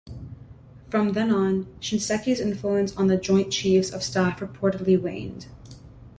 From then on, Shinseki's influence on the Joint Chiefs of Staff reportedly waned.